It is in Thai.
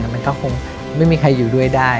แต่มันก็คงไม่มีใครอยู่ด้วยได้